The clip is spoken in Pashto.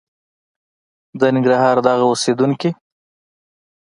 د ننګرهار دغه اوسېدونکي